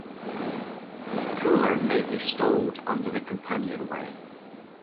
A cooler maybe stowed under the companionway.